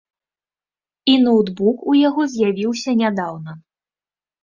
І ноўтбук у яго з'явіўся нядаўна.